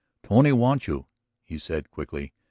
"Tony want you," he said quickly.